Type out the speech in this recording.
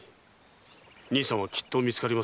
兄さんはきっと見つかりますよ。